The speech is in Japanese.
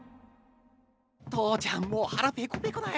父ちゃんもう腹ペコペコだよ！